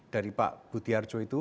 dari pak budi arjo itu